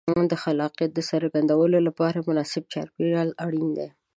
د خلاقیت د څرګندولو لپاره مناسب چاپېریال اړین دی.